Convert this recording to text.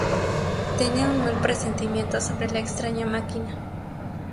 Tenía un mal presentimiento sobre la extraña máquina.